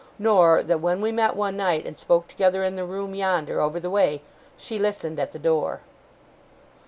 Nor, that, when we met one night, and spoke together in the room yonder, over the way, she listened at the door.